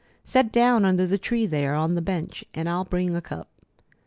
Set down under the tree there on the bench, an' I'll bring a cup."